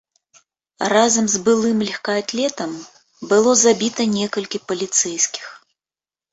Разам з былым лёгкаатлетам было забіта некалькі паліцэйскіх.